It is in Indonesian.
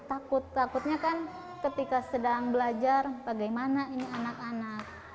takut takutnya kan ketika sedang belajar bagaimana ini anak anak